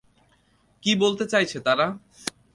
কী বলতে চাইছে তারা?